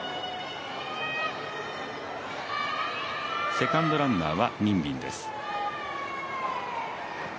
セカンドランナーは任敏です。